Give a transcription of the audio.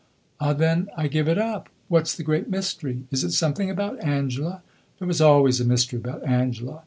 Ah, then, I give it up! What 's the great mystery? Is it something about Angela? There was always a mystery about Angela.